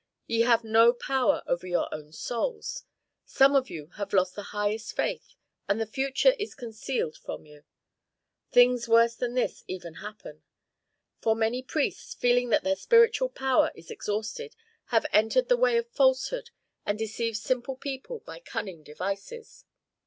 Ye have no power over your own souls. Some of you have lost the highest faith, and the future is concealed from you. Things worse than this even happen; for many priests, feeling that their spiritual power is exhausted, have entered the way of falsehood and deceive simple people by cunning devices.'